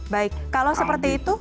baik kalau seperti itu